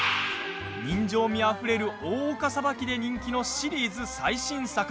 人情味あふれる大岡裁きで人気のシリーズ最新作。